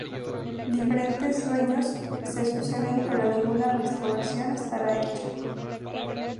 Diferentes dueños se suceden pero ninguna restauración estará hecha.